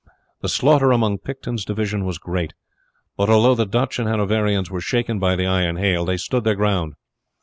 The slaughter among Picton's division was great; but although the Dutch and Hanoverians were shaken by the iron hail, they stood their ground.